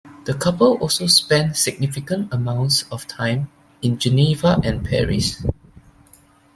The couple also spent significant amounts of time in Geneva and Paris.